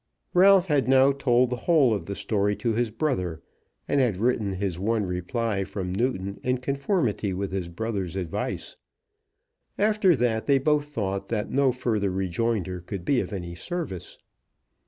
Ralph had now told the whole story to his brother, and had written his one reply from Newton in conformity with his brother's advice. After that they both thought that no further rejoinder could be of any service.